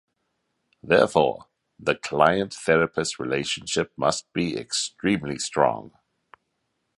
Therefore, the client-therapist relationship must be extremely strong.